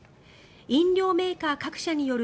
飲料メーカー各社による